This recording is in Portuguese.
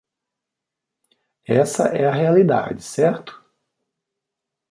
Essa é a realidade, certo?